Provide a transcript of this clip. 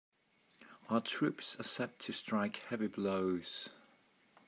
Our troops are set to strike heavy blows.